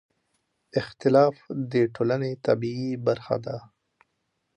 اختلاف د ټولنې طبیعي برخه ده